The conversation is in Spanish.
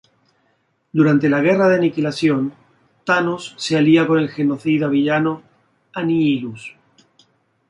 Durante la Guerra de Aniquilación, Thanos se alía con el genocida villano Annihilus.